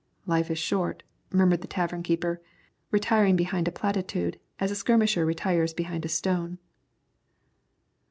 "Life is short," murmured the tavern keeper, retiring behind a platitude as a skirmisher retires behind a stone.